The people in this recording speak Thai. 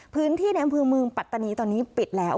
พื้นที่ในพื้นเมืองปัตตานีตอนนี้ปิดแล้ว